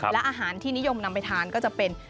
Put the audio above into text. และอาหารที่นิยมนำไปทานก็จะเป็น